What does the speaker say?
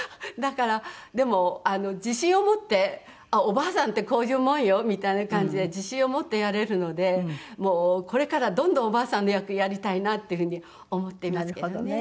でも自信を持っておばあさんってこういうものよみたいな感じで自信を持ってやれるのでもうこれからどんどんおばあさんの役やりたいなっていうふうに思っていますけどね。